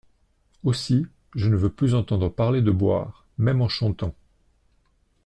Aussi, je ne veux plus entendre parler de boire !… même en chantant !…